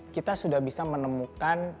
kita sudah bisa menemukan